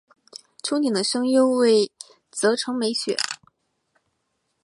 憧憬的声优为泽城美雪。